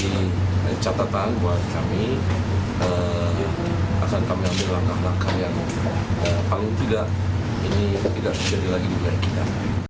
ini tidak bisa jadi lagi di wilayah kita